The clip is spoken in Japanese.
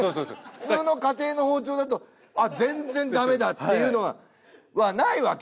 普通の家庭の包丁だと「あっ全然ダメだ」っていうのがはいはないわけ？